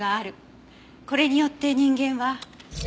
これによって人間は。